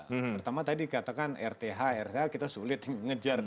pertama tadi katakan rth rh kita sulit ngejar